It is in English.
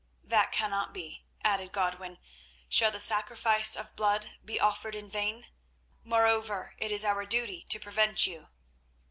"That cannot be," added Godwin. "Shall the sacrifice of blood be offered in vain? Moreover it is our duty to prevent you."